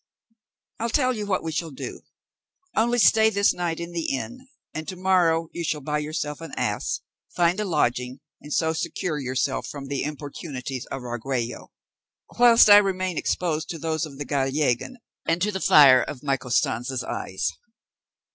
I'll tell you what you shall do; only stay this night in the inn, and to morrow you shall buy yourself an ass, find a lodging, and so secure yourself from the importunities of Argüello, whilst I remain exposed to those of the Gallegan, and to the fire of my Costanza's eyes."